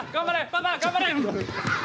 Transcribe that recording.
パパ頑張れ！